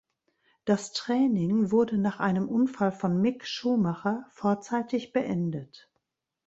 Das Training wurde nach einem Unfall von Mick Schumacher vorzeitig beendet.